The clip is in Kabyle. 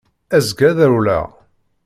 Azekka ad rewleɣ.